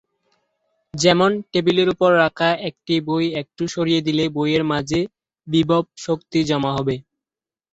যেমন, টেবিলের উপর রাখা একটি বই একটু সরিয়ে দিলে বইয়ের মাঝে বিভব শক্তি জমা হবে।